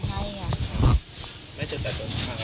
ไม่เฉพาะทางล่าสุดคือครับ